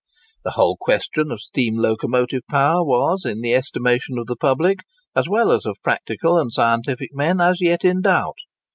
The whole question of steam locomotive power was, in the estimation of the public, as well as of practical and scientific men, as yet in doubt.